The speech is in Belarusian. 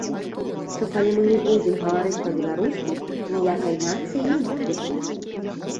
Што, калі мы не будзем гаварыць па-беларуску, ніякай нацыі не будзе.